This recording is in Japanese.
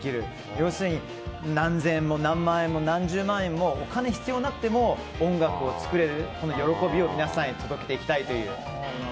要するに何千円も何万円も何十万円もお金が必要なくても音楽を作れるこの喜びを皆さんに届けていきたいという。